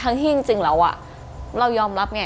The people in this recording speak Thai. ทั้งที่จริงเราอะเรายอมรับไง